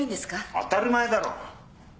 当たり前だろ！